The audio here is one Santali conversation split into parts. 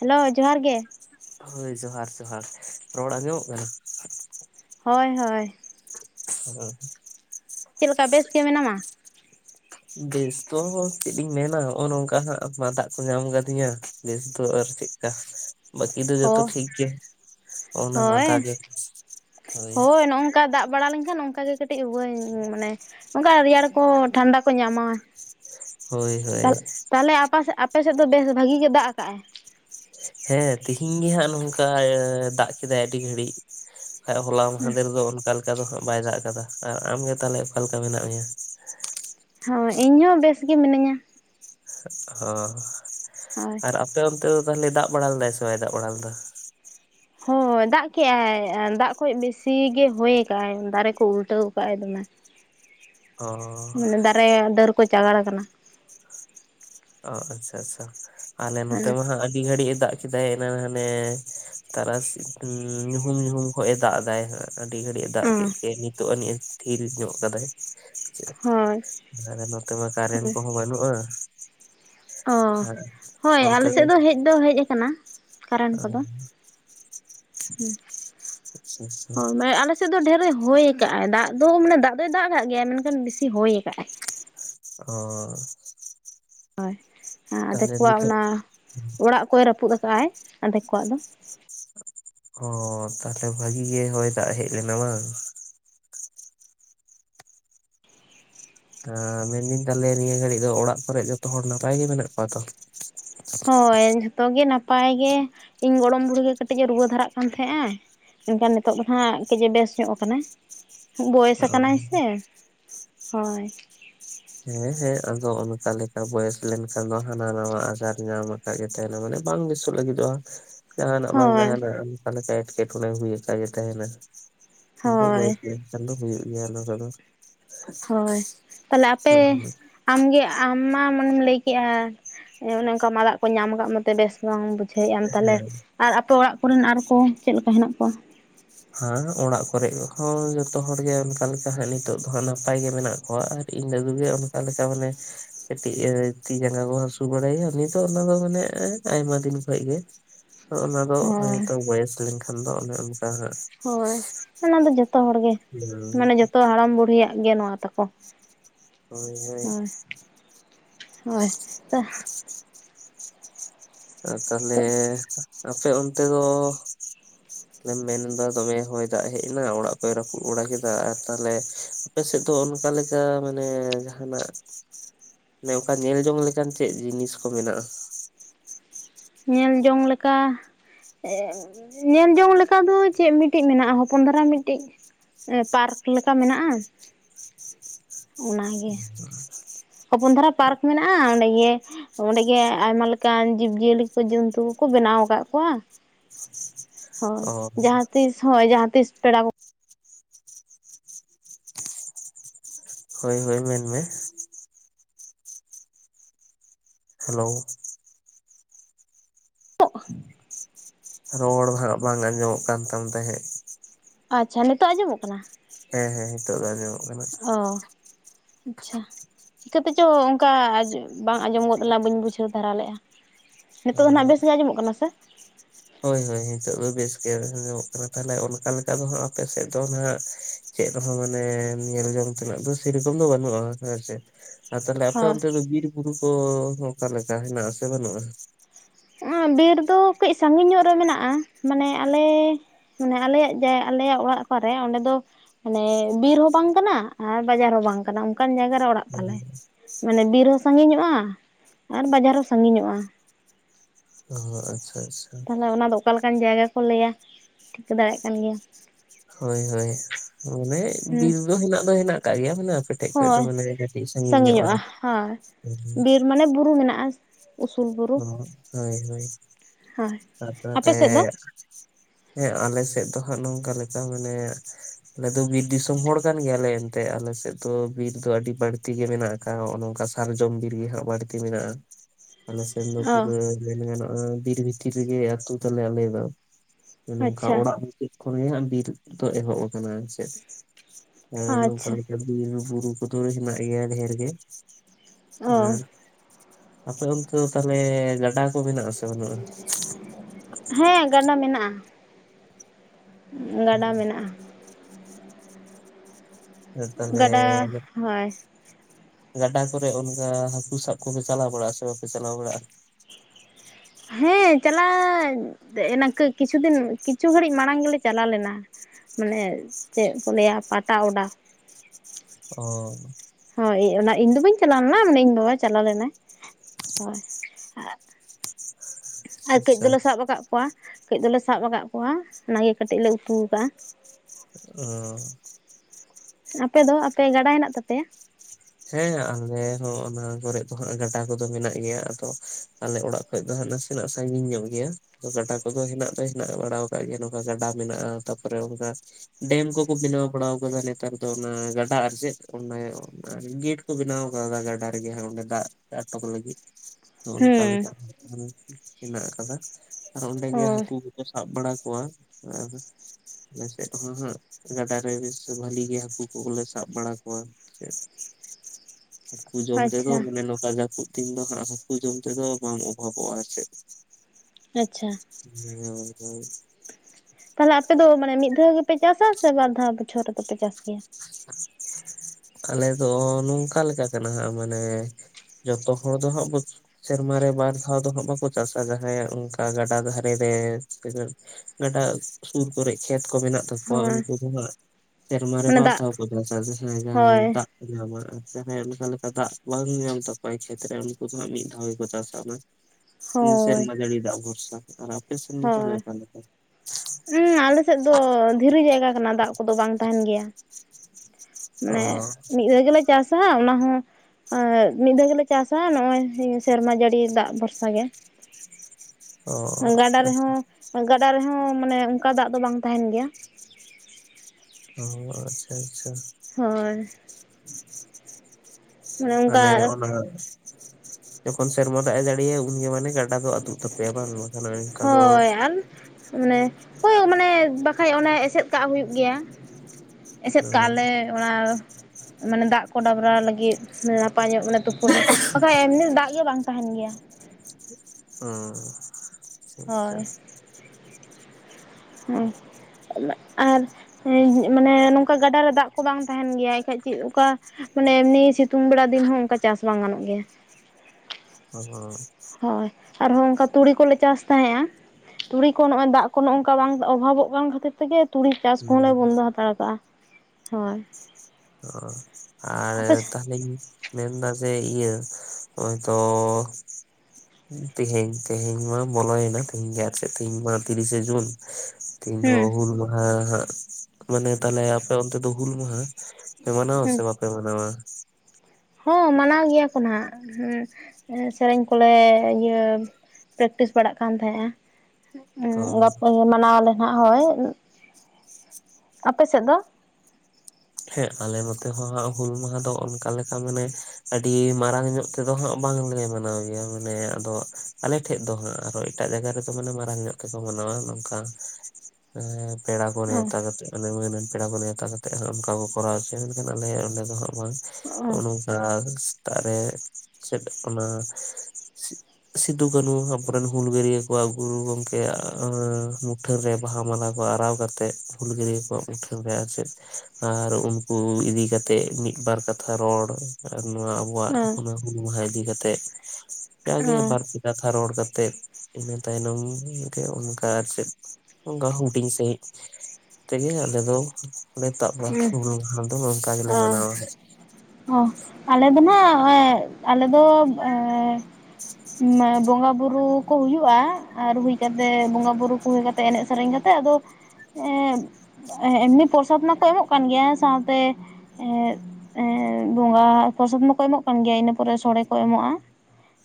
ᱦᱮᱞᱳ ᱡᱚᱦᱟᱨ ᱜᱮ ᱦᱳᱭ ᱡᱚᱦᱟᱨ ᱡᱚᱦᱟᱨ ᱨᱚᱲ ᱟᱸᱡᱚᱢᱚᱜ ᱠᱟᱱᱟ ᱦᱳᱭ ᱦᱳᱭ [unintelligible] ᱪᱮᱫ ᱞᱮᱠᱟ ᱵᱮᱥ ᱜᱮ ᱢᱮᱱᱟᱢᱟ ᱵᱮᱥ ᱫᱚ ᱪᱮᱫ ᱤᱧ ᱢᱮᱱᱟ ᱱᱚ ᱚ ᱱᱚᱝᱠᱟ ᱦᱟᱸᱜ ᱢᱟᱫᱟ ᱠᱚ ᱧᱟᱢ ᱟᱠᱟᱫᱤᱧᱟ ᱵᱮᱥ ᱫᱚ ᱟᱨ ᱪᱮᱫᱠᱟ ᱵᱟᱹᱠᱤ ᱫᱚ ᱡᱚᱛᱚ ᱦᱳ ᱴᱷᱤᱠ ᱜᱮ ᱱᱚᱜ-ᱱᱟ ᱦᱳᱭ ᱢᱟᱫᱟ ᱜᱮ ᱦᱳᱭ ᱱᱚᱜ ᱱᱚᱝᱠᱟ ᱫᱟᱜ ᱵᱟᱲᱟ ᱞᱤᱧ ᱠᱷ ᱮᱠᱷᱟᱱ ᱚᱱᱠᱟᱜᱮ ᱠᱟᱹᱴᱤᱡ ᱨᱩᱣᱟᱹᱧ ᱢᱟᱱᱮ ᱚᱱᱠᱟ ᱨᱮᱭᱟᱲ ᱠᱚ ᱴᱷᱟᱱᱰᱟ ᱠᱚ ᱧᱟᱢᱚᱜᱼᱟ ᱦᱳᱭ ᱦᱳᱭ ᱛᱟᱦᱞᱮ ᱟᱯ ᱥᱮᱫ ᱟᱯᱮ ᱥᱮᱫ ᱫᱚ ᱵᱮᱥ ᱵᱷᱟᱹᱜᱤ ᱜᱮ ᱫᱟᱜ ᱠᱟᱜᱼᱟ ᱦᱮᱸ ᱛᱮᱦᱤᱧ ᱜᱮᱦᱟᱸᱜ ᱱᱚᱝᱠᱟ ᱫᱟᱜ ᱠᱮᱫᱟᱭ ᱟᱹᱰᱤ ᱜᱷᱟᱹᱲᱤᱡ ᱵᱟᱡ ᱦᱚᱞᱟ ᱢᱟᱦᱫᱮ ᱨᱮ ᱫᱚ ᱚᱱᱠᱟ ᱟᱫᱚ ᱦᱟᱜ ᱵᱟᱭ ᱫᱟᱜ ᱟᱠᱟᱫᱟ ᱟᱨ ᱟᱢᱜᱮ ᱛᱟᱦᱚᱞᱮ ᱚᱠᱟ ᱞᱮᱠᱟ ᱢᱮᱱᱟᱜ ᱢᱮᱭᱟ ᱦᱚᱭ ᱤᱧ ᱦᱚᱸ ᱵᱮᱥᱜᱮ ᱢᱤᱱᱟᱹᱧᱟ ᱦᱚ ᱦᱳᱭ ᱟᱨ ᱟᱯᱮ ᱚᱱᱛᱮ ᱫᱚ ᱛᱟᱦᱚᱞᱮ ᱫᱟᱜ ᱵᱟᱲᱟ ᱞᱮᱫᱟᱭ ᱥᱮ ᱵᱟᱭ ᱫᱟᱜ ᱵᱟᱲᱟ ᱞᱮᱫᱟ ᱦᱳᱭ ᱫᱟᱜ ᱠᱮᱜ-ᱟᱭ ᱫᱟᱜ ᱠᱷᱚᱡ ᱵᱮᱥᱤ ᱜᱮ ᱦᱩᱭ ᱟᱠᱟᱜᱼ ᱟᱭ ᱫᱟᱨᱮ ᱠᱚ ᱩᱞᱴᱟᱹᱣ ᱟᱠᱟᱫ ᱟᱭ ᱫᱚᱢᱮ [unintelligible] ᱚᱻ ᱨᱮ ᱫᱟᱹᱨ ᱠᱚ ᱪᱟᱜᱟᱲ ᱟᱠᱟᱱᱟ ᱚ ᱟᱪᱷᱟ ᱟᱪᱷᱟ ᱟᱞᱮ ᱱᱚᱛᱮ ᱦᱮᱸ ᱢᱟ ᱦᱟᱜ ᱟᱹᱰᱤ ᱜᱷᱟᱹᱲᱤᱡ ᱫᱟᱜ ᱠᱮᱫᱟᱭ ᱮᱱᱟ ᱦᱟᱱᱮ ᱛᱟᱨᱥᱤ ᱧᱩᱦᱩᱢ ᱧᱩᱦᱩᱢ ᱠᱷᱚᱱ ᱮ ᱫᱟᱜ ᱮᱫᱟᱭ ᱦᱟᱜ ᱟᱹᱰᱤ ᱜᱷᱟᱹᱲᱤᱡᱜ ᱫᱟᱜ ᱚ ᱠᱮᱫ ᱜᱮ ᱱᱤᱛᱚᱜ ᱟᱹᱱᱤᱡ ᱛᱷᱤᱨ ᱧᱚᱜ ᱠᱟᱫᱟᱭ ᱦᱳᱭ ᱟᱨ ᱱᱚᱛᱮ ᱢᱟ ᱠᱟᱨᱮᱱᱴ ᱦᱳᱭ ᱠᱚᱦᱚᱸ ᱵᱟᱹᱱᱩᱜᱼᱟ ᱚ ᱟᱨ ᱦᱳᱭ ᱟᱞᱮ ᱥᱮᱫ ᱫᱚ ᱦᱮᱡ ᱫᱚ ᱦᱮᱡ ᱟᱠᱟᱱᱟ ᱠᱟᱨᱮᱱᱴ ᱠᱚᱫᱚ ᱟᱪᱪᱷᱟ ᱟᱪᱪᱷᱟ ᱟᱞᱮ ᱥᱮᱫ ᱫᱚ ᱰᱷᱮᱨᱮ ᱦᱳ ᱟᱠᱟᱜ ᱟᱭ ᱫᱟᱜ ᱫᱚ ᱢᱟᱱᱮ ᱫᱟᱜ ᱫᱚᱭ ᱫᱟᱜ ᱟᱠᱟᱜ ᱜᱮᱭᱟ ᱢᱮᱱᱠᱷᱟᱱ ᱵᱮᱥᱤ ᱦᱚᱭ ᱟᱠᱟᱜᱼᱟ ᱚ ᱦᱳᱭ ᱟᱫᱷᱮᱠ ᱛᱟᱦᱞᱮ ᱠᱚᱣᱟᱜ ᱱᱤᱛᱚᱜ ᱚᱱᱟ ᱚᱲᱟᱜ ᱠᱚᱭ ᱨᱟᱹᱯᱩᱫ ᱟᱠᱟᱫᱼᱟ ᱟᱭ ᱟᱫᱷᱮ ᱠᱚᱣᱟᱜ ᱫᱚ ᱚ ᱛᱟᱦᱞᱮ ᱵᱷᱟᱹᱜᱤ ᱜᱮ ᱦᱳᱭ ᱫᱟᱜ ᱦᱮᱡ ᱞᱮᱱᱟ ᱵᱟᱝ ᱢᱮᱱᱫᱟᱹᱧ ᱛᱟᱦᱞᱮ ᱱᱤᱭᱟᱹ ᱜᱷᱟᱹᱲᱤᱡ ᱫᱚ ᱚᱲᱟᱜ ᱠᱚᱨᱮᱜ ᱡᱚᱛᱚ ᱦᱚᱲ ᱱᱟᱯᱟᱭ ᱜᱮ ᱢᱮᱱᱟᱜ ᱠᱚᱣᱟ ᱛᱚ ᱦᱳᱭ ᱡᱷᱚᱛᱚ ᱜᱮ ᱱᱟᱯᱟᱭ ᱜᱮ ᱤᱧ ᱜᱚᱲᱚᱢ ᱵᱩᱲᱦᱤ ᱜᱮ ᱠᱟᱹᱴᱤᱡ ᱮ ᱨᱩᱣᱟᱹ ᱫᱷᱟᱨᱟᱜ ᱠᱟᱱ ᱛᱟᱦᱮᱸᱜᱼᱟ ᱢᱮᱱᱠᱷᱟᱱ ᱱᱤᱛᱚᱜ ᱫᱚ ᱦᱟᱸᱜᱡᱮ ᱵᱮᱥ ᱧᱚᱜ ᱠᱟᱱᱟᱭ ᱵᱚᱭᱮᱥ ᱠᱟᱱᱟᱭ ᱥᱮ ᱦᱳᱭ ᱦᱮᱸ ᱦᱮᱸ ᱟᱫᱚ ᱚᱱᱠᱟ ᱞᱮᱠᱟ ᱵᱚᱭᱮᱥ ᱞᱮᱱᱠᱷᱟᱱ ᱫᱚ ᱦᱟᱱᱟ ᱱᱟᱣᱟ ᱟᱡᱟᱨ ᱧᱟᱢ ᱟᱠᱟᱫ ᱜᱮ ᱛᱟᱦᱮᱱᱟ ᱢᱟᱱᱮ ᱵᱟᱝ ᱵᱮᱥᱚ ᱞᱟᱹᱜᱤᱫ ᱫᱚᱼᱟ ᱡᱟᱦᱱᱟᱜ ᱵᱟᱝ ᱦᱳᱭ ᱡᱟᱦᱟᱱᱟᱜ ᱚᱱᱠᱟ ᱞᱮᱠᱟ ᱮᱴᱠᱮᱴᱚᱬᱮ ᱦᱩᱭ ᱟᱠᱫ ᱜᱮᱮ ᱛᱟᱦᱮᱱᱟ ᱟᱫᱚ ᱦᱳᱭ ᱵᱠᱷᱟᱱ ᱫᱚ ᱦᱩᱭᱩᱜ ᱜᱮᱭᱟ ᱟ ᱫᱚ ᱦᱳᱭ ᱛᱟᱦᱞᱮ ᱦᱮᱸ ᱦᱮᱸ [unintelligible] ᱟᱢ ᱢᱟ ᱢᱚᱱᱮᱢ ᱞᱟᱹᱭ ᱠᱮᱫᱼᱟ ᱚᱱᱮ ᱚᱱᱠᱟ ᱢᱟ ᱫᱟᱜ ᱠᱚ ᱧᱟᱢ ᱟᱠᱟᱫ ᱢᱮᱚᱛ ᱵᱮᱥ ᱵᱟᱝ ᱵᱩᱡᱷᱟᱹᱜᱼᱟ ᱵᱩᱡᱷᱟᱹᱣᱮᱫ ᱟᱢ ᱛᱟᱦᱮ ᱟᱨ ᱟᱯᱮ ᱚᱲᱟᱜ ᱠᱚᱨᱮᱱ ᱟᱨ ᱠᱚ ᱪᱮᱫ ᱞᱮᱠᱟ ᱦᱮᱱᱟᱜ ᱠᱚᱣᱟ ᱦᱮᱸ ᱚᱲᱟᱜ ᱠᱚᱨᱮᱜ ᱦᱚᱸ ᱡᱚᱛᱚ ᱦᱚᱲᱜᱮ ᱚᱱᱠᱟ ᱞᱮᱠᱟ ᱦᱟᱸᱜ ᱱᱤᱛᱚᱜ ᱫᱚ ᱦᱟᱸᱜ ᱱᱟᱯᱟᱭ ᱜᱮ ᱢᱮᱱᱟᱜ ᱠᱚᱣᱟ ᱟᱨ ᱤᱧ ᱞᱫᱩ ᱜᱮ ᱚᱱᱠᱟ ᱞᱮᱠᱟ ᱢᱟᱱᱮ ᱠᱟᱹᱴᱤᱡ ᱛᱤ ᱡᱟᱸᱜᱟ ᱠᱚ ᱦᱟᱹᱥᱩ ᱵᱟᱲᱟᱭᱟ ᱱᱤᱛᱚᱜ ᱚᱱᱟ ᱫᱚ ᱢᱟᱱᱮ ᱟᱭᱢᱟ ᱫᱤᱱ ᱠᱷᱚᱱ ᱜᱮ ᱛᱚ ᱚᱱᱟ ᱫᱚ ᱦᱳᱭ ᱵᱚᱭᱮᱥ ᱞᱮᱱᱠᱷᱟᱱ ᱫᱚ ᱚᱱᱮ ᱚᱱᱠᱟ ᱦᱟᱸᱜ ᱦᱳᱭ ᱚᱱᱟ ᱫᱚ ᱡᱚᱛᱚ ᱦᱚᱲ ᱜᱮ ᱢᱟᱱᱮ ᱡᱚᱛᱚ ᱦᱟᱲᱟᱢ ᱵᱩᱲᱦᱤᱭᱟᱜ ᱜᱮ ᱱᱚᱣᱟ ᱛᱟᱠᱚ [inaudible] ᱦᱳᱭ ᱦᱳᱭ ᱦᱳᱭ [inaudible] ᱟᱨ ᱛᱟᱦᱞᱮ ᱟᱯᱮ ᱚᱱᱛᱮ ᱫᱚ ᱮ ᱢᱮᱱᱫᱟ ᱫᱚᱢᱮ ᱦᱚᱭ ᱫᱟᱜ ᱦᱮᱡ ᱮᱱᱟ ᱚᱲᱟᱜ ᱯᱮ ᱨᱟᱹᱯᱩᱫ ᱵᱟᱲᱟ ᱠᱮᱫᱟ ᱟᱨ ᱛᱟᱦᱮ ᱟᱯᱮ ᱥᱮᱫ ᱫᱚ ᱚᱱᱠᱟ ᱞᱮᱠᱟ ᱢᱟᱱᱮ ᱡᱟᱦᱟᱱᱟᱜ ᱟᱱᱮ ᱚᱱᱠᱟ ᱧᱮᱞ ᱡᱚᱝ ᱞᱮᱠᱟᱱ ᱪᱮᱫ ᱡᱤᱱᱤᱥ ᱠᱚ ᱢᱮᱱᱟᱜᱼᱟ ᱧᱮᱞ ᱡᱚᱝ ᱞᱮᱠᱟ ᱧᱮᱞ ᱡᱚᱝ ᱞᱮᱠᱟ ᱫᱚ ᱪᱮᱫ ᱢᱤᱫᱴᱤᱱ ᱢᱮᱱᱟᱜᱼᱟ ᱦᱚᱯᱚᱱ ᱫᱷᱟᱨᱟ ᱢᱤᱫᱴᱤᱡ ᱯᱟᱨᱠ ᱞᱮᱠᱟ ᱢᱮᱱᱟᱜᱼᱟ ᱦ ᱚᱱᱟᱜᱮ [inaudible] ᱦᱚᱯᱚᱱ ᱫᱷᱟᱨᱟ ᱯᱟᱨᱠ ᱢᱮᱱᱟᱜᱼᱟ ᱚᱸᱰᱮ ᱜᱮ ᱚᱸᱰᱮᱜ ᱟᱭᱢᱟ ᱞᱮᱠᱟᱱ ᱡᱤᱵ ᱡᱤᱭᱟᱹᱞᱤ ᱠᱚ ᱡᱚᱱᱛᱩ ᱠᱚ ᱵᱮᱱᱟᱣ ᱟᱠᱟᱫ ᱠᱚᱣᱟ [inaudible] ᱚ ᱦᱳᱭ ᱡᱟᱦᱟᱸ ᱛᱤᱥ ᱦᱳᱭ ᱡᱟᱦᱟᱸ ᱛᱤᱥ ᱯᱮᱲᱟ ᱠᱚ ᱦᱳᱭ ᱦᱳᱭ ᱢᱮᱱ ᱢᱮ ᱦᱮᱞᱳ ᱨᱚᱲ ᱵᱟᱝ ᱟᱸᱡᱚᱢᱚᱜ ᱠᱟᱱ ᱛᱟᱢ ᱛᱟᱦᱮᱸᱜ ᱟᱪᱷᱟ ᱱᱤᱛᱚᱜᱜ ᱟᱸᱡᱚᱢᱚᱜ ᱠᱟᱱᱟ ᱦᱮᱸ ᱦᱮᱸ ᱱᱤᱛᱚ ᱫᱚ ᱟᱡᱚᱢᱚ ᱠᱟᱱᱟ ᱚ ᱟᱪᱷᱟ ᱪᱤᱠᱟᱹᱛᱮᱪᱚ ᱚᱱᱠᱟ ᱵᱟᱝ ᱟᱸᱡᱚᱢ ᱜᱚᱫ ᱞᱱᱟ ᱵᱟᱹᱧ ᱵᱩᱡᱷᱟᱹᱣ ᱫᱷᱟᱨᱟ ᱞᱮᱫᱼᱟ ᱱᱤᱛᱚᱜ ᱫᱚ ᱦᱟᱸᱜ ᱚ ᱵᱮᱥ ᱜᱮ ᱟᱸᱡᱚᱢᱚᱜ ᱠᱟᱱᱟ ᱥᱮ ᱦᱳᱭ ᱦᱳᱭ ᱱᱤᱛᱚᱜ ᱫᱚ ᱵᱮᱥ ᱜᱮ ᱟᱡᱚᱢᱚᱜ ᱠᱟᱱᱟ ᱛᱟᱦᱚᱞᱮ ᱚᱱᱠᱟ ᱞᱮᱠᱟ ᱫᱚᱦᱜ ᱟᱯᱮ ᱥᱮᱫ ᱫᱚ ᱱᱟᱦᱟᱜ ᱪᱮᱫ ᱮᱱᱦᱚᱸ ᱢᱟᱱ ᱧᱮᱞ ᱡᱚᱝ ᱛᱮᱱᱟᱜ ᱫᱩᱥᱤ ᱥᱮᱨᱚᱢ ᱫᱚ ᱵᱟᱹᱱᱩᱜᱼᱟ ᱦᱮᱸᱥᱮ ᱟᱨ ᱛᱟᱦᱚᱞᱮ ᱟᱯᱮ ᱦᱳᱭ ᱚᱱᱛᱮ ᱫᱚ ᱵᱤᱨ ᱵᱩᱨᱩ ᱠᱚ ᱚᱠᱟ ᱞᱮᱠᱟ ᱦᱮᱱᱟᱜ ᱟᱥᱮ ᱵᱟᱹᱱᱩᱜᱼᱟ ᱟ ᱵᱤᱨ ᱫᱚ ᱠᱟᱹᱡ ᱥᱟᱺᱜᱤᱧ ᱧᱚᱜ ᱨᱮ ᱢᱮᱱᱟᱜᱼᱟ ᱢᱟᱱᱮ ᱟᱞᱮ ᱢᱟᱱᱮ ᱟᱞᱮᱭᱟᱜ [inaudible] ᱟᱞᱮᱭᱟᱜ ᱚᱲᱟᱜ ᱚᱠᱟᱨᱮ ᱚᱸᱰᱮ ᱫᱚ ᱢᱟᱱᱮ ᱵᱤᱨ ᱦᱚᱸ ᱵᱟᱝ ᱠᱟᱱᱟ ᱟᱨ ᱵᱟᱡᱟᱨ ᱦᱚᱸ ᱵᱟᱝ ᱵᱟᱝ ᱠᱟᱱᱟ ᱚᱱᱠᱟᱱ ᱡᱟᱭᱜᱟᱨᱮ ᱚᱲᱟᱜ ᱛᱟᱞᱮ ᱢᱟᱱᱮ ᱵᱤᱨ ᱦᱚᱸ ᱥᱟᱜᱤᱧᱚᱜᱼᱟ ᱟᱨ ᱵᱟᱡᱟᱨ ᱦᱚᱸ ᱥᱟᱜᱤᱧᱚᱜᱼᱟ ᱚ ᱟᱪᱪᱷᱟ ᱟᱪᱪᱷᱟ ᱛᱟᱦᱚᱞᱮ ᱚᱱᱟᱫᱚ ᱚᱠᱟ ᱞᱮᱠᱟᱱ ᱡᱟᱭᱜᱟ ᱠᱚ ᱞᱟᱹᱭᱟ ᱴᱷᱤᱠᱟᱹ ᱫᱟᱲᱮᱭᱟᱜ ᱠᱟᱱ ᱜᱮᱭᱟᱢ ᱦᱳᱭ ᱦᱳᱭ ᱢᱟᱱᱮ ᱦᱩᱸ ᱵᱤᱨ ᱫᱚ ᱦᱮᱱᱟᱜ ᱫᱚ ᱦᱮᱱᱟᱜ ᱟᱠᱟᱟᱜ ᱜᱮᱭᱟ ᱢᱟᱱᱮ ᱟᱯ ᱦᱳᱭ ᱥᱟᱺᱜᱤᱧᱚᱜᱼᱟ ᱦᱳᱭ ᱵᱤᱨ ᱢᱟᱱᱮ ᱵᱩᱨᱩ ᱢᱮᱱᱟᱜᱼᱟ ᱩᱥᱩᱞ ᱵᱩᱨᱩ ᱚ ᱦᱳᱭ ᱦᱳᱭ ᱦᱳᱭ [unintelligible] ᱟᱯᱮ ᱛᱚᱯᱮ ᱥᱮᱫ ᱫᱚ ᱦᱮᱸ ᱟᱞᱮ ᱥᱮᱫ ᱫᱚ ᱱᱚᱝᱠᱟ ᱞᱮᱠᱟ ᱢᱟᱱᱮ ᱟᱞᱮ ᱫᱚ ᱵᱤᱨ ᱫᱤᱥᱚᱢ ᱦᱚᱲ ᱠᱟᱱ ᱜᱮᱭᱟᱞᱮ ᱮᱱᱛᱮ ᱟᱞᱮᱥᱮᱫ ᱫᱚ ᱵᱤᱨ ᱟᱹᱰᱤ ᱵᱟᱹᱲᱛᱤ ᱜᱮ ᱢᱮᱱᱟᱜ ᱟᱠᱟᱫᱟ ᱱᱚᱜᱼᱚ ᱱᱚᱝᱠᱟ ᱥᱟᱨᱡᱚᱢ ᱵᱤᱨᱜᱮ ᱦᱟᱜ ᱵᱟᱹᱲᱛᱤ ᱢᱮᱱᱟᱜᱼᱟ ᱟᱞᱮ ᱥᱮᱱ ᱫᱚ ᱚ ᱯᱩᱨᱟ ᱢᱮᱱ ᱜᱟᱱᱚᱜᱼᱟ ᱵᱤᱨ ᱵᱷᱤᱛᱤᱨ ᱨᱮᱜᱮ ᱟᱹᱛᱩ ᱛᱟᱞᱮ ᱟᱞᱮ ᱫᱚ ᱱᱚᱝᱠᱟ ᱟᱪᱪᱷᱟ ᱚᱲᱟᱜ ᱢᱩᱪᱟᱫ ᱠᱷᱚᱱ ᱜᱮ ᱱᱟᱦᱟᱜ ᱵᱤᱨ ᱫᱚ ᱮᱦᱚᱵ ᱟᱠᱟᱱᱟ ᱟᱪᱪᱷᱟ [unintelligible] ᱵᱩᱨᱩ ᱠᱚᱫᱚ ᱦᱮᱱᱟᱜ ᱜᱮᱭᱟ ᱰᱷᱮᱨ ᱜᱮ ᱚ ᱟᱨ ᱟᱯᱮ ᱚᱱᱛᱮ ᱫᱚ ᱛᱟᱦᱟᱞᱮ ᱜᱟᱰᱟ ᱠᱚ ᱢᱮᱱᱟᱜᱼᱟ ᱥᱮ ᱵᱟᱹᱱᱩᱜᱼᱟ ᱦᱮᱸ ᱜᱟᱰᱟ ᱢᱮᱱᱟᱜᱼᱟ ᱜᱟᱰᱟ ᱢᱮᱱᱟᱜᱼᱟ ᱛᱟᱦᱞᱮ ᱜᱟᱰᱟ ᱦᱳᱭ ᱜᱟᱰᱟ ᱠᱚᱨᱮᱜ ᱚᱱᱠᱟ ᱦᱟᱹᱠᱩ ᱥᱟᱵ ᱠᱚᱯᱮ ᱪᱟᱞᱟᱣ ᱵᱟᱲᱟᱜᱼᱟ ᱥᱮ ᱵᱟᱯᱮ ᱪᱟᱞᱟᱣ ᱵᱟᱲᱟᱜᱼᱟ ᱦᱮᱸ ᱪᱟᱞᱟᱜ ᱮᱱᱟᱠ ᱠᱤᱪᱷᱩ ᱫᱤᱱ ᱠᱤᱪᱷᱩ ᱜᱷᱟᱹᱲᱤᱡ ᱢᱟᱲᱟᱝ ᱜᱮᱞᱮ ᱪᱟᱞᱟᱣ ᱞᱮᱱᱟ ᱢᱟᱱᱮ ᱪᱮᱫ ᱠᱚ ᱞᱟᱹᱭᱟ ᱯᱟᱴᱟ ᱚᱰᱟ ᱚ ᱚᱱᱟ ᱤᱧ ᱫᱚ ᱵᱟᱹᱧ ᱪᱟᱞᱟᱣ ᱞᱮᱱᱟ ᱢᱟᱱ ᱤᱧ ᱵᱟᱵᱟᱭ ᱪᱟᱞᱟᱣ ᱞᱮᱱᱟᱭ ᱦᱳᱭ [inaudible] ᱟᱨ ᱠᱟᱹᱡ ᱟᱪᱪᱷᱟ ᱫᱚᱞᱮ ᱥᱟᱵ ᱟᱠᱟᱫ ᱠᱚᱣᱟ ᱠᱟᱹᱡ ᱫᱚᱞᱮ ᱥᱟᱵ ᱟᱠᱟᱫ ᱠᱚᱣᱟ ᱚᱱᱟᱜᱮ ᱠᱟᱹᱴᱤᱡ ᱞᱮ ᱩᱛᱩ ᱟᱠᱟᱜᱼᱟ ᱚᱦᱚ ᱟᱯᱮ ᱫᱚ ᱟᱯᱮ ᱜᱟᱰᱟ ᱦᱮᱱᱟᱜ ᱛᱟᱯᱮᱭᱟ ᱦᱮᱸ ᱟᱞᱮ ᱚᱱᱟ ᱠᱚᱨᱮ ᱫᱚ ᱦᱟᱜ ᱜᱟᱰᱟ ᱠᱚᱫᱚ ᱢᱮᱱᱟᱜ ᱜᱮᱭᱟ ᱟᱫᱚ ᱟᱞᱮ ᱚᱲᱟᱜ ᱠᱷᱚᱡ ᱫᱚ ᱦᱟᱜ ᱱᱟᱥᱮᱱᱟᱜ ᱥᱟᱺᱜᱤᱧ ᱧᱚᱜ ᱜᱮᱭᱟ ᱜᱟᱰᱟ ᱠᱚᱫᱚ ᱦᱮᱱᱟᱜ ᱫᱚ ᱦᱮᱱᱟᱜ ᱵᱟᱲᱟ ᱟᱠᱟᱫ ᱜᱮᱭᱟ ᱱᱚᱝᱠᱟ ᱜᱟᱰᱟ ᱢᱮᱱᱟᱜᱼᱟ ᱛᱟᱯᱚᱨᱮ ᱚᱱᱠᱟ ᱰᱮᱢ ᱠᱚ ᱠᱚ ᱵᱮᱱᱟᱣ ᱵᱟᱲᱟ ᱟᱠᱟᱫᱟ ᱱᱮᱛᱟᱨ ᱫᱚ ᱚᱱᱟ ᱜᱟᱰᱟ ᱟᱨ ᱪᱮᱫ ᱚᱱᱮ ᱟᱨ ᱜᱮᱴ ᱠᱚ ᱵᱮᱱᱟᱣ ᱠᱟᱫᱟ ᱜᱟᱰᱟ ᱨᱮᱜᱮ ᱚᱸᱰᱮ ᱫᱟᱜ ᱟᱴᱚᱠ ᱞᱟᱹᱜᱤᱫ ᱚᱱᱠᱟ ᱦᱮᱸ ᱞᱮᱠᱟ ᱦᱮᱱᱟᱠ ᱟᱠᱟᱫᱟ ᱟᱨ ᱚᱱᱰᱮ ᱚ ᱜᱮ ᱦᱟᱹᱠᱩ ᱠᱚᱠᱚ ᱥᱟᱵ ᱵᱟᱲᱟ ᱚ ᱦ [unintelligible] ᱟᱞᱮ ᱥᱮᱫ ᱦᱚᱸ ᱦᱟᱸᱜ ᱜᱟᱰᱟ ᱨᱮ [inaudible] ᱵᱷᱟᱹᱞᱤ ᱜᱮ ᱦᱟᱹᱠᱩ ᱠᱚᱞᱮ ᱥᱟᱵ ᱵᱟᱲᱟ ᱠᱚᱣᱟ ᱦᱟᱹᱠᱩ ᱡᱚᱢ ᱛᱮᱫᱚ ᱟᱪᱪᱷᱟ ᱢᱟᱱᱮ ᱱᱚᱝᱠᱟ ᱡᱟᱯᱩᱫ ᱫᱤᱱ ᱫᱚ ᱦᱟᱜ ᱦᱟᱹᱠᱩ ᱡᱚᱢ ᱛᱮ ᱫᱚ ᱵᱟᱝ ᱚᱵᱷᱟᱵᱽᱵᱚᱜ-ᱟ ᱪᱮ ᱟᱪᱪᱷᱟ ᱦᱳᱭ ᱛᱟᱞᱦᱮ ᱟᱯᱮ ᱫᱚ ᱢᱟᱱᱮ ᱢᱤᱫ ᱫᱷᱟᱣ ᱜᱮᱯᱮ ᱪᱟᱥᱟ ᱥᱮ ᱵᱟᱨ ᱫᱷᱟᱣ ᱵᱚᱪᱷᱚᱨ ᱨᱮᱫᱚᱯᱮ ᱪᱟᱥ ᱜᱮᱭᱟ ᱟᱞᱮ ᱫᱚ ᱱᱚᱝᱠᱟ ᱞᱮᱠᱟ ᱛᱮ ᱱᱟᱦᱟᱜ ᱢᱟᱱᱮ ᱡᱚᱛᱚ ᱦᱚᱲ ᱫᱚᱦᱟᱸᱜ [inaudible] ᱥᱮᱨᱢᱟᱨᱮ ᱵᱟᱨ ᱫᱷᱟᱣ ᱫᱚᱦᱟᱸᱜ ᱵᱟᱠᱚ ᱪᱟᱥᱟ ᱡᱟᱦᱟᱸᱭᱟᱜ ᱚᱱᱠᱟ ᱜᱟᱰᱟ ᱫᱷᱟᱨᱮ ᱨᱮ ᱦᱮᱸ ᱛᱤᱱᱟ. ᱜ ᱜᱟᱰᱟ ᱥᱩᱨ ᱠᱚᱨᱮ ᱠᱷᱮᱛ ᱠᱚ ᱢᱮᱱᱟᱜ ᱛᱟᱠᱚᱣᱟ ᱦᱳᱭ ᱩᱱᱠᱩ ᱫᱚ ᱦᱟᱸᱜ ᱥᱮᱨᱢᱟ ᱨᱮ ᱢᱟᱱᱮ ᱵᱟᱨ ᱫᱟᱜ ᱫᱷᱟᱣ ᱠᱚ ᱪᱟᱥᱟ ᱡᱟᱦᱟᱸᱭ ᱦᱳᱭ ᱫᱟᱜ ᱠᱚ ᱡᱟᱦᱟᱸᱭ ᱚᱱᱠᱟ ᱞᱮᱠᱟ ᱫᱟᱜ ᱵᱟᱝ ᱧᱟᱢ ᱛᱟᱠᱚ ᱟᱭ ᱠᱷᱮᱛᱨᱮ ᱩᱱᱠᱩ ᱫᱚ ᱦᱟᱜ ᱢᱤᱫ ᱫᱷᱟᱣ ᱜᱮᱠᱚ ᱪᱟᱥᱟᱜ ᱢᱟ ᱦᱩᱸ ᱦᱳᱭ ᱥᱮᱨᱢᱟ ᱡᱟᱹᱲᱤ ᱫᱟᱜ ᱵᱚᱨᱥᱟ ᱟᱨ ᱟᱯᱮ ᱥᱮᱱ ᱫᱚ ᱛᱟᱦᱚᱞᱮ ᱚᱠᱟ ᱞᱮᱠᱟ [inaudible] ᱦᱮᱸ ᱟᱞᱮ ᱥᱮᱫ ᱫᱚ ᱫᱷᱤᱨᱤ ᱡᱟᱭᱜᱟ ᱠᱟᱱᱟ ᱫᱟᱜ ᱠᱚᱫᱚ ᱵᱟᱝ ᱛᱟᱦᱮᱱ ᱜᱮᱭᱟ ᱚ ᱢᱟᱱᱮ ᱢᱤᱫ ᱫᱷᱟᱣ ᱜᱮᱞᱮ ᱪᱟᱥᱟ ᱚᱱᱟ ᱢᱤᱫ ᱫᱷᱟᱣ ᱜᱮᱞᱮ ᱪᱟᱥᱟ ᱱᱚᱜ ᱥᱮᱨᱢᱟ ᱡᱟᱹᱲᱤ ᱫᱟᱜ ᱵᱷᱚᱨᱥᱟ ᱥᱟᱜᱮ ᱚ ᱜᱟᱰᱟ ᱨᱮᱦᱚᱸ ᱜᱟᱰᱟ ᱨᱮᱦᱚᱸ ᱢᱟᱱᱮ ᱚᱱᱠᱟ ᱫᱟᱜ ᱫᱚ ᱵᱟᱝ ᱛᱟᱦᱮᱱ ᱜᱮᱭᱟ ᱟᱪᱪᱷᱟ ᱟᱪᱪᱷᱟ ᱟᱪᱪᱷᱟ ᱦᱳᱭ ᱢᱟᱱᱮ ᱚᱱᱠᱟ ᱟᱱᱮ ᱚᱱᱟ ᱡᱚᱠᱷᱚᱱ ᱥᱮᱨᱢᱟ ᱫᱟᱜ ᱮ ᱡᱟᱲᱤᱭᱟ ᱩᱱᱜᱮ ᱢᱟᱱᱮ ᱜᱟᱰᱟ ᱫᱚ ᱟᱹᱛᱩᱜ ᱛᱟᱯᱮᱭᱟ ᱵᱟᱝ ᱵᱟᱝ ᱦᱳᱭ ᱟᱨ ᱢᱟᱱᱮ ᱦᱳᱭ ᱢᱟᱱᱮ ᱵᱟᱠᱷᱟᱡ ᱚᱱᱮ ᱮᱥᱮᱫ ᱠᱟᱜ ᱦᱩᱭᱩᱜ ᱜᱮᱭᱟ ᱮᱥᱮᱫ ᱠᱟᱜᱼᱟ ᱞᱮ ᱚᱱᱟ ᱢᱟᱱᱮ ᱫᱟᱜ ᱠᱚ ᱰᱟᱵᱽᱨᱟ ᱞᱟᱹᱜᱤᱫ ᱱᱟᱯᱟᱭ ᱧᱚᱜ ᱢᱟᱱᱮ ᱛᱩᱯᱩᱱ ᱦᱳᱜ ᱵᱟᱠᱷᱟᱡ ᱮᱢᱱᱤ ᱨᱮ ᱫᱟᱜ ᱜᱮ ᱵᱟᱝ ᱛᱟᱦᱮᱱ ᱜᱮᱭᱟ ᱚ ᱟᱪᱪᱷᱟ ᱟᱪᱪᱷᱟ ᱦᱮᱸ ᱟᱨ ᱢᱟᱱᱮ ᱱᱚᱝᱠᱟ ᱜᱟᱰᱟᱨᱮ ᱫᱟᱜ ᱠᱚ ᱵᱟᱝ ᱛᱟᱦᱮᱱ ᱜᱮᱭᱟ ᱮᱱᱠᱷᱟᱡ ᱪᱮᱫ ᱠᱟ ᱢᱟᱱᱮ ᱮᱢᱱᱤ ᱥᱤᱛᱩᱝ ᱵᱮᱲᱟ ᱫᱤᱱ ᱦᱚᱸ ᱚᱱᱠᱟ ᱪᱟᱥ ᱵᱟᱝ ᱜᱟᱱᱚᱜ ᱜᱮᱭᱟ ᱚᱦᱚᱸᱜ ᱦᱚᱭ ᱟᱨᱦᱚᱸ ᱚᱱᱠᱟ ᱛᱩᱲᱤ ᱠᱚᱞᱮ ᱪᱟᱥ ᱛᱟᱦᱮᱸᱫᱼᱟ ᱛᱩᱲᱤ ᱠᱚ ᱱᱚᱜᱼᱚᱭ ᱫᱟᱜ ᱠᱚ ᱱᱚᱝᱠᱟ ᱵᱟᱝ ᱚᱵᱷᱟᱵᱚᱜ ᱠᱟᱱ ᱠᱷᱟᱹᱛᱤᱨ ᱛᱮᱜᱮ ᱛᱩᱲᱤ ᱪᱟᱥ ᱠᱚᱦᱚᱸᱞᱮ ᱵᱚᱱᱫᱚ ᱦᱟᱛᱟᱲ ᱠᱟᱜᱼᱟ ᱦᱳᱭ ᱚ ᱟᱨ ᱟᱯᱮ ᱥᱮᱫ ᱛᱟᱦᱚᱞᱮᱧ ᱢᱮᱱᱫᱟ ᱡᱮ ᱤᱭᱟᱹ ᱦᱚᱸᱜ-ᱚᱭ ᱛᱚ ᱛᱮᱦᱮᱧ ᱛᱮᱦᱮᱧ ᱢᱟ ᱵᱚᱞᱚᱭᱮᱱᱟ ᱛᱮᱦᱮᱧ ᱜᱮ ᱟᱞᱮ ᱥᱮᱫ ᱛᱮᱦᱮᱧ ᱢᱟ ᱛᱤᱨᱤᱥᱮ ᱡᱩᱱ ᱛᱮᱦᱮᱧ ᱫᱚ ᱦᱩᱸ ᱦᱩᱞ ᱢᱟᱦᱟ ᱦᱟᱸᱜ ᱢᱟᱱᱮ ᱛᱟᱦᱚᱞᱮ ᱟᱯᱮ ᱚᱱᱛᱮ ᱫᱚ ᱦᱩᱞ ᱢᱟᱦᱟ ᱯᱮ ᱢᱟᱱᱟᱣᱟ ᱦᱩᱸ ᱥᱮ ᱵᱟᱯᱮ ᱢᱟᱱᱟᱣᱟ ᱦᱚᱸ ᱢᱟᱱᱟᱣ ᱜᱮᱭᱟ ᱠᱚ ᱦᱟᱸᱜ ᱥᱮᱨᱮᱧ ᱠᱚᱞᱮ ᱤᱭᱟᱹ ᱯᱮᱠᱴᱤᱥ ᱵᱟᱲᱟᱜ ᱠᱟᱱ ᱛᱟᱦᱮᱸᱼᱟ ᱛᱚ ᱢᱟᱱᱟᱣᱟᱞᱮ ᱱᱟ ᱦᱳᱭ ᱟᱯᱮ ᱥᱮᱫ ᱫᱚ ᱦᱮᱸ ᱟᱞᱮ ᱱᱚᱛᱮ ᱦᱚᱸ ᱦᱩᱞ ᱢᱟᱦᱟ ᱫᱚ ᱚᱱᱠᱟ ᱞᱮᱠᱟ ᱢᱟᱱᱮ ᱟᱹᱰᱤ ᱢᱟᱨᱟᱝ ᱧᱚᱜ ᱛᱮᱫᱚ ᱦᱟᱸᱜ ᱵᱟᱝᱞᱮ ᱢᱟᱱᱟᱣ ᱜᱮᱭᱟ ᱢᱟᱱᱮ ᱟᱫᱚ ᱟᱞᱮ ᱴᱷᱮᱡ ᱫᱚ ᱦᱟᱸᱜ ᱟᱨᱚ ᱮᱴᱟᱜ ᱡᱟᱭᱜᱟ ᱨᱮᱫᱚ ᱢᱟᱱᱮ ᱢᱟᱨᱟᱝ ᱧᱚᱜ ᱜᱮᱠᱚ ᱢᱟᱱᱟᱣ ᱱᱚᱜ ᱱᱚᱝᱠᱟ ᱯᱮᱲᱟ ᱠᱚ ᱚ ᱱᱮᱣᱛᱟ ᱠᱟᱛᱮᱜ ᱟᱞᱮ ᱢᱟᱹᱭ ᱨᱮᱱ ᱯᱮᱲᱟ ᱠᱚ ᱱᱮᱣᱛᱟ ᱠᱟᱛᱮᱜ ᱚᱱᱠᱟ ᱠᱚ ᱠᱚᱨᱟᱣᱪᱚᱭᱟ ᱢᱮᱱᱠᱷᱟᱱ ᱟᱞᱮᱭᱟᱜ ᱚᱸᱰᱮ ᱚ ᱫᱚ ᱱᱚᱝᱠᱟ ᱥᱮᱛᱟᱜ ᱨᱮ ᱪᱮᱫ ᱚᱱᱟ ᱥᱤᱫ ᱥᱤᱫᱩ ᱠᱟᱱᱩ ᱟᱵᱚᱨᱮᱱ ᱦᱩᱞᱜᱟᱹᱨᱤᱭᱟᱹ ᱠᱚᱣᱟᱜ ᱜᱩᱨᱩ ᱜᱚᱢᱠᱮᱭᱟᱜ ᱢᱩᱴᱷᱟᱹᱱ ᱨᱮ ᱵᱟᱦᱟ ᱢᱟᱞᱟ ᱠᱚ ᱟᱨᱟᱣ ᱠᱟᱛᱮᱫ ᱦᱩᱞ ᱜᱟᱹᱨᱤᱭᱟᱹ ᱠᱚᱣᱟᱜ ᱢᱩᱴᱷᱟᱹᱱ ᱨᱮ ᱟᱨ ᱪᱮᱫ ᱟᱨ ᱩᱱᱠᱩ ᱤᱫᱤ ᱠᱟᱛᱮᱜ ᱢᱤᱫᱵᱟᱨ ᱠᱟᱛᱷᱟ ᱨᱚᱲ ᱱᱚᱣᱟ ᱟᱵᱚᱣᱟᱜ ᱚ ᱚᱱᱟ ᱦᱩᱞ ᱢᱟᱦᱟ ᱤᱫᱤ ᱠᱟᱛᱮᱜ ᱡᱟᱜᱮ ᱚ ᱵᱟᱨ ᱯᱮ ᱠᱟᱛᱷᱟ ᱨᱚᱲ ᱠᱟᱛᱮ ᱛᱮᱫ ᱤᱱᱟᱹ ᱛᱟᱭᱱᱚᱢ ᱤᱱᱠᱟᱹ ᱚᱱᱠᱟ ᱟᱨ ᱪᱮᱫ ᱚᱱᱠᱟ ᱦᱩᱰᱤᱧ ᱥᱟᱺᱦᱤᱡ ᱛᱮᱜᱮ ᱟᱞᱮ ᱫᱚ ᱛᱟᱜᱵᱟᱫᱽ ᱦᱩᱸ ᱵᱩᱨᱩ ᱟᱫᱚ ᱱᱚᱝᱠᱟ ᱜᱮᱞᱮ ᱚ ᱢᱟᱱᱟᱣᱟ ᱱᱚᱜᱼᱭᱮ ᱟᱞᱮ ᱫᱚ ᱵᱚᱸᱜᱟ ᱵᱩᱨᱩ ᱠᱚ ᱦᱩᱭᱩᱜᱼᱟ ᱟᱨ ᱦᱩᱭ ᱠᱟᱛᱮᱜ ᱵᱚᱸᱜᱟ ᱵᱩᱨᱩ ᱠᱚ ᱦᱩᱭ ᱠᱟᱛᱮ ᱮᱱᱮᱡ ᱥᱮᱨᱮᱧ ᱠᱟᱛᱮᱜ ᱟᱫᱚ ᱮᱸ ᱮᱢᱱᱤ ᱯᱚᱨᱥᱟ ᱮᱢᱚᱜ ᱠᱟᱱ ᱜᱮᱭᱟ ᱥᱟᱶᱛᱮ ᱵᱚᱸᱜᱟ ᱯᱨᱚᱥᱟᱚᱫ ᱢᱟᱠᱚ ᱮᱢᱚᱜ ᱠᱟᱱ ᱜᱮᱭᱟ ᱤᱱᱟᱹ ᱯᱚᱨ ᱛᱟᱯᱚᱨᱮ ᱥᱳᱲᱮ ᱠᱚ ᱮᱢᱚᱜᱼᱟ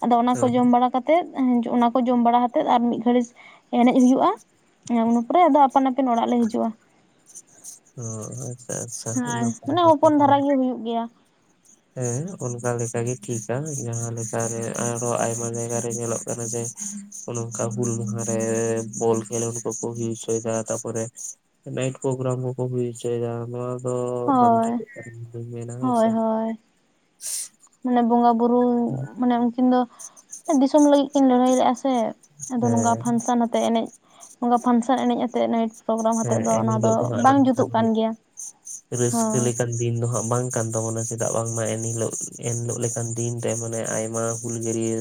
ᱟᱫᱚ ᱚᱱᱟ ᱠᱚ ᱦᱮᱸ ᱡᱚᱢ ᱵᱟᱲᱟ ᱠᱟᱛᱮᱜ ᱚᱱᱟᱠᱚ ᱡᱚᱢ ᱵᱟᱲᱟ ᱠᱟᱛᱮᱜ ᱟᱨ ᱢᱤᱫ ᱜᱷᱟᱹᱲᱤᱡ ᱮᱱᱮᱡ ᱦᱩᱭᱩᱜᱼᱟ ᱤᱱᱟᱹ ᱯᱚᱨᱮ ᱟᱫᱚ ᱟᱯᱟᱱ ᱟᱹᱯᱤᱱ ᱚᱲᱟᱜ ᱞᱮ ᱦᱤᱡᱩᱜᱼᱟ᱾ ᱚ ᱟᱪ ᱦᱟᱭ ᱢᱟᱱᱮ ᱦᱚᱯᱚᱱ ᱫᱷᱟᱨᱟ ᱜᱮ ᱦᱩᱭᱩᱜ ᱜᱮᱭᱟ᱾ ᱦᱮᱸ ᱚᱱᱠᱟ ᱞᱮᱠᱟᱜᱤ ᱴᱷᱤᱠᱟ ᱡᱟᱦᱟᱸ ᱞᱮᱠᱟᱨᱮ ᱟᱨᱦᱚᱸ ᱟᱭᱢᱟ ᱡᱟᱭᱜᱟ ᱨᱮ ᱧᱮᱞᱚᱜ ᱠᱟᱱᱟ ᱡᱮ ᱚᱱᱠᱟ ᱦᱩᱞ ᱢᱟᱦᱟᱸ ᱨᱮ ᱵᱚᱞ ᱠᱷᱮᱸᱞᱚᱰ ᱠᱚ ᱠᱚ ᱦᱩᱭ ᱦᱚᱪᱚᱭ ᱫᱟ ᱛᱟᱯᱚᱨᱮ ᱱᱟᱭᱤᱴ ᱯᱨᱳᱜᱨᱟᱢ ᱠᱚ ᱠᱚ ᱦᱩᱭ ᱦᱚᱪᱚᱭ ᱫᱟ ᱱᱚᱣᱟ ᱫᱚ ᱵᱟᱝ ᱦᱳᱭ ᱴᱷᱤᱠᱚᱜ ᱠᱟᱱᱟ ᱤᱧ ᱫᱩᱧ ᱢᱮᱱᱟ ᱦᱮᱸ ᱦᱳᱭ ᱥᱮ᱾ ᱦᱳᱭ ᱢᱟᱱᱮ ᱵᱚᱸᱜᱟ ᱵᱩᱨᱩ ᱢᱟᱱᱮ ᱩᱱᱠᱤᱱ ᱫᱚ ᱫᱤᱥᱚᱢ ᱞᱟᱹᱜᱤᱫ ᱠᱤᱱ ᱞᱟᱹᱲᱦᱟᱹᱭ ᱞᱮᱫᱼᱟ ᱥᱮ ᱟᱫᱚ ᱱᱚᱝᱠᱟ ᱦᱮᱸ ᱯᱷᱟᱱᱥᱮᱱ ᱟᱛᱮᱫ ᱮᱱᱮᱡ ᱱᱚᱝᱠᱟ ᱯᱷᱟᱱᱥᱮᱱ ᱮᱱᱮᱡ ᱟᱛᱮᱫ ᱱᱟᱭᱤᱴ ᱯᱨᱳᱜᱨᱟᱢ ᱦᱛᱮᱫ ᱦᱮᱸ ᱫᱚ ᱚᱱᱟ ᱫᱚ ᱮᱱᱦᱤᱞᱳᱜ ᱦᱟᱸᱜ ᱵᱟᱝ ᱡᱩᱛᱩᱜ ᱠᱟᱱ ᱜᱮᱭᱟ᱾ ᱨᱟᱹᱥᱠᱟᱹ ᱦᱳᱭ ᱞᱮᱠᱟᱱ ᱫᱤᱱ ᱫᱚᱦᱟᱸᱜ ᱵᱟᱝ ᱠᱟᱱ ᱛᱟᱵᱚᱱᱟ ᱪᱮᱫᱟᱜ ᱵᱟᱝᱢᱟ ᱮᱱᱦᱤᱞᱳᱜ ᱮᱱᱦᱤᱞᱳᱜ ᱞᱮᱠᱟᱱ ᱫᱤᱱ ᱨᱮ ᱢᱟᱱᱮ ᱟᱭᱢᱟ ᱦᱩᱞᱜᱟᱹᱨᱤᱭᱟᱹ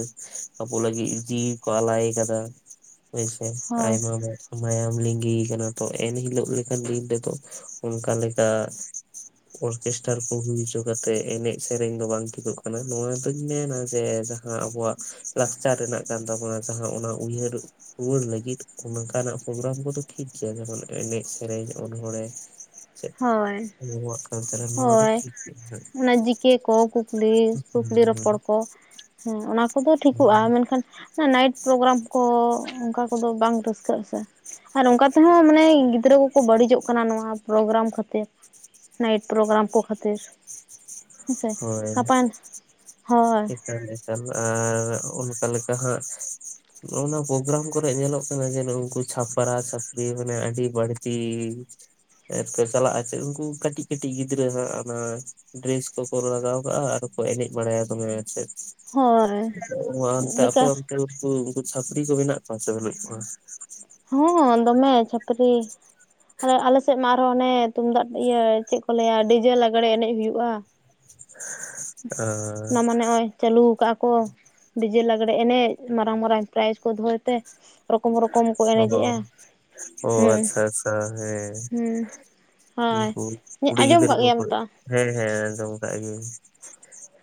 ᱟᱵᱚ ᱞᱟᱹᱜᱤᱫ ᱡᱤᱣᱤ ᱠᱚ ᱟᱞᱟᱭ ᱟᱠᱟᱫᱟ ᱦᱳᱭᱥᱮ ᱦᱳᱭ ᱟᱭᱢᱟ ᱢᱟᱭᱟᱢ ᱞᱤᱝᱜᱤ ᱠᱟᱱᱟ ᱮᱱᱦᱤᱞᱳᱜ ᱞᱮᱠᱟᱱ ᱫᱤᱱ ᱨᱮᱫᱚ ᱚᱱᱠᱟ ᱞᱮᱠᱟ ᱚᱨᱠᱮᱥᱴᱟᱨ ᱠᱚ ᱦᱩᱭ ᱦᱚᱪᱚ ᱠᱟᱛᱮᱜ ᱮᱱᱮᱡ ᱥᱮᱨᱮᱧ ᱫᱚ ᱵᱟᱝ ᱴᱷᱤᱠᱚᱜ ᱠᱟᱱᱟ ᱱᱚᱣᱟ ᱫᱩᱧ ᱢᱮᱱᱟ ᱡᱮ ᱡᱟᱦᱟᱸ ᱟᱵᱚᱣᱟᱜ ᱞᱟᱠᱪᱟᱨ ᱨᱮᱱᱟᱜ ᱠᱟᱱ ᱛᱟᱵᱚᱱᱟ ᱡᱟᱦᱟᱸ ᱚᱱᱟ ᱩᱭᱦᱟᱹᱨ ᱨᱩᱣᱟᱹᱲ ᱞᱟᱹᱜᱤᱫ ᱚᱝᱠᱟᱱᱟᱜ ᱯᱨᱳᱜᱨᱟᱢ ᱠᱚᱫᱚ ᱴᱷᱤᱠ ᱜᱮᱭᱟ ᱡᱮᱢᱚᱱ ᱮᱱᱮᱡ ᱥᱮᱹᱨᱮᱧ ᱚᱱᱚᱲᱦᱮᱸ ᱦᱳᱭ ᱦᱳᱭ ᱚᱱᱟ ᱡᱤᱠᱮ ᱠᱚ ᱠᱩᱠᱞᱤ ᱠᱩᱠᱞᱤ ᱨᱚᱯᱚᱲ ᱠᱚ [unintelligible] [unintelligible] ᱦᱮᱸ ᱚᱱᱟ ᱠᱚᱫᱚ ᱴᱷᱤᱠᱚᱜᱼᱟ ᱢᱮᱱᱠᱷᱟᱱ ᱱᱟᱭᱤᱴ ᱯᱨᱳᱜᱨᱟᱢ ᱠᱚ ᱚᱱᱠᱟ ᱠᱚᱫᱚ ᱵᱟᱝ ᱨᱟᱹᱥᱠᱟᱹᱜ ᱟᱥᱮ ᱟᱨ ᱚᱱᱠᱟ ᱛᱮᱦᱚᱸ ᱢᱟᱱᱮ ᱜᱤᱫᱽᱨᱟᱹ ᱠᱚᱠᱚ ᱵᱟᱹᱲᱤᱡᱚᱜ ᱠᱟᱱᱟ ᱱᱚᱣᱟ ᱯᱨᱳᱜᱨᱟᱢ ᱠᱷᱟᱹᱛᱤᱨ ᱱᱟᱭᱤᱴ ᱯᱨᱳᱜᱨᱟᱢ ᱠᱚ ᱠᱷᱟᱛᱤᱨ ᱦᱳᱭ ᱦᱳᱭ ᱮᱠᱟᱞ ᱮᱠᱟᱞ ᱟᱨ ᱚᱱᱠᱟ ᱞᱮᱠᱟ ᱦᱟᱸᱜ ᱱᱚᱜ ᱱᱚᱶᱟ ᱯᱨᱳᱜᱨᱟᱢ ᱠᱚᱨᱮᱜ ᱧᱮᱞᱚᱜ ᱠᱟᱱᱟ ᱡᱮ ᱩᱱᱠᱩ ᱪᱷᱟᱯᱨᱟᱼ ᱪᱷᱟᱯᱨᱤ ᱢᱟᱱᱮ ᱟᱹᱰᱤ ᱵᱟᱹᱲᱛᱤ ᱪᱟᱞᱟᱜ ᱟᱥᱮ ᱩᱱᱠᱩ ᱠᱟᱹᱴᱤᱡ ᱠᱟᱹᱴᱤᱡ ᱜᱤᱫᱽᱨᱟᱹ ᱦᱟᱸᱜ ᱚᱱᱟ ᱰᱨᱮᱥ ᱠᱚ ᱞᱟᱜᱟᱣ ᱠᱟᱜᱼᱟ ᱟᱨ ᱠᱚ ᱮᱱᱮᱡ ᱵᱟᱲᱟᱭᱟ ᱫᱚᱢᱮ ᱦᱳᱭ [unintelligible] ᱟᱯᱮ ᱚᱱᱛᱮ [unintelligible] ᱵᱮᱠᱟᱨ ᱠᱚ ᱢᱮᱱᱟᱜ ᱠᱚᱣᱟ ᱥᱮ ᱵᱟᱹᱞᱩᱜ ᱠᱚᱣᱟ? ᱦᱚᱸ ᱫᱚᱢᱮ ᱪᱷᱟᱯᱨᱤ ᱟᱞᱮ ᱥᱮᱫ ᱢᱟ ᱟᱨᱦᱚᱸ ᱚᱱᱮ ᱛᱩᱢᱫᱟᱜ ᱤᱭᱟᱹ ᱪᱮᱫ ᱠᱚ ᱞᱟᱹᱭᱟ ᱰᱤᱡᱮ ᱞᱟᱜᱽᱬᱮ ᱮᱱᱮᱡ ᱦᱩᱭᱩᱜᱼᱟ᱾ ᱚᱱᱟ ᱢᱟᱱᱮ ᱦᱚᱸᱜᱼᱚᱭ ᱪᱟᱹᱞᱩᱣᱟᱠᱟᱜ ᱠᱚ ᱰᱤᱡᱮ ᱞᱟᱜᱽᱲᱮ ᱮᱱᱮᱡ ᱢᱟᱨᱟᱝ ᱢᱟᱨᱟᱝ ᱯᱨᱟᱭᱤᱡᱽ ᱠᱚ ᱫᱚᱦᱚᱭ ᱛᱮ ᱨᱚᱠᱚᱢ ᱨᱚᱠᱚᱢ ᱠᱚ ᱮᱱᱮᱡᱮᱜᱼᱟ ᱚ ᱦᱩᱸ ᱟᱪᱪᱷᱟ ᱟᱪᱪᱷᱟ ᱦᱮᱸ ᱦᱩᱸ ᱦᱳᱭ ᱩᱱᱠᱩ ᱠᱩᱲᱤ ᱟᱸᱡᱚᱢ ᱜᱤᱫᱽᱨᱟᱹ ᱠᱟᱜ ᱠᱚ ᱜᱮᱭᱟᱢ ᱠᱷ ᱛᱚ ᱦᱮᱸ ᱦᱮᱸ ᱟᱸᱡᱚᱢ ᱠᱟᱜ ᱜᱤᱭᱟᱹᱧ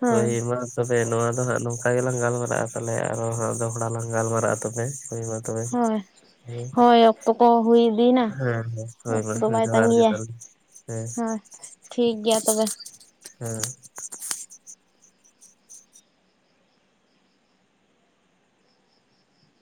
ᱦᱮᱸ ᱦᱳᱭ ᱢᱟ ᱛᱚᱵᱮ ᱱᱚᱣᱟ ᱫᱚ ᱦᱟᱜ ᱱᱚᱝ ᱚᱱᱠᱟ ᱜᱮᱞᱟᱝ ᱜᱟᱞᱢᱟᱨᱟᱜᱼᱟ ᱛᱟᱞᱮ ᱟᱨᱚ ᱫᱚᱦᱚᱲᱟ ᱞᱟᱝ ᱜᱟᱞᱢᱟᱨᱟᱜᱼᱟ ᱛᱚᱵᱮ ᱢᱟ ᱛᱚᱵᱮ ᱦᱳᱭ ᱦᱮᱸ ᱦᱳᱭ ᱚᱠᱛᱚ ᱠᱚ ᱦᱩᱭ ᱤᱫᱤᱭᱮᱱᱟ ᱦᱮᱸ ᱦᱮ ᱚᱠᱛᱚ ᱫᱚ ᱦᱳᱭ ᱵᱟᱭ ᱡᱚᱦᱟᱨ ᱜᱮ ᱛᱟᱺᱜᱤᱭᱟ ᱛᱟᱦᱚᱞᱮ ᱦᱮᱸ ᱦᱳᱭ ᱴᱷᱤᱠ ᱜᱮᱭᱟ ᱛᱚᱵᱮ ᱦᱮᱸ